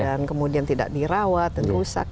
dan kemudian tidak dirawat dan rusak